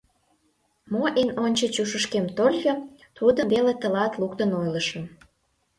Мо эн ончыч ушышкем тольо, тудым веле тылат луктын ойлышым.